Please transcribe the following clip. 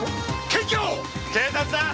警察だ。